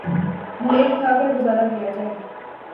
millet کھا کر گزارہ کیا جائے